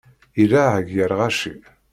Iraε gar lɣaci.